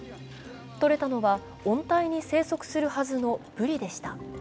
とれたのは温帯に生息するはずのぶりでした。